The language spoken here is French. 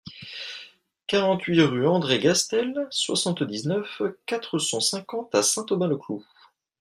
quarante-huit rue André Gastel, soixante-dix-neuf, quatre cent cinquante à Saint-Aubin-le-Cloud